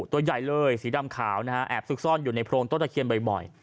ตัวใหญ่เลยสีดำขาวนะฮะแอบซุกซ่อนอยู่ในโพรงต้นตะเคียนบ่อย